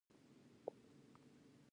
استاده ډي این اې په حجره کې کوم ځای لري